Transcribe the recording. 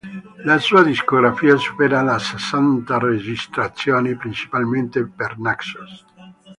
La sua discografia supera le sessanta registrazioni, principalmente per Naxos.